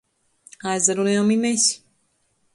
Aizarunojam i mes.